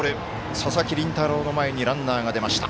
佐々木麟太郎の前にランナーが出ました。